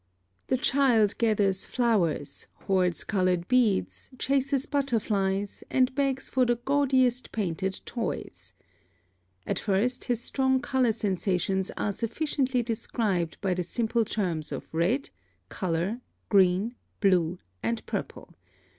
+ (4) The child gathers flowers, hoards colored beads, chases butterflies, and begs for the gaudiest painted toys. At first his strong color sensations are sufficiently described by the simple terms of red, yellow, green, blue, and purple.